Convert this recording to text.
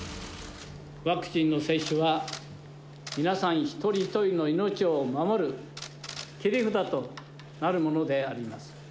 ワクチンの接種は、皆さん一人一人のいのちをまもる切り札となるものであります。